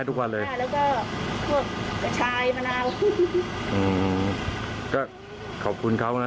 คุณไม่ได้เจอกับตัวนะคะ